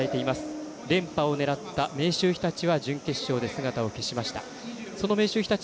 連覇を狙った明秀日立は準決勝で姿を消しました。